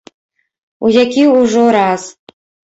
У які ўжо раз.